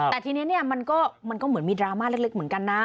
แต่ทีนี้เนี่ยมันก็เหมือนมีดราม่าเล็กเหมือนกันนะ